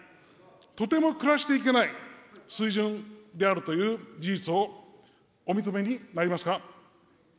とても暮らしていけない水準であるという事実をお認めになりますか。